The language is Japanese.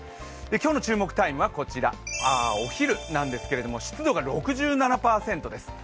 今日の注目タイムはこちら、お昼なんですけれども、湿度が６７％です。